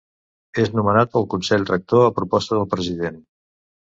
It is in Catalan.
És nomenat pel Consell Rector a proposta del President.